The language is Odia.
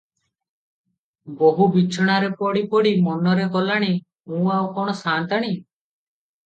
ବୋହୂ ବିଛଣାରେ ପଡ଼ି ପଡ଼ି ମନରେ କଲାଣି, "ମୁଁ ଆଉ କଣ ସାନ୍ତାଣୀ?